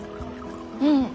うん。